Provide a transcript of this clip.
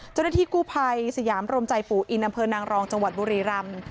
เจ้าหน้าที่กู้ภัยสยามรมใจปู่อินอำเภอนางรองจังหวัดบุรีรำ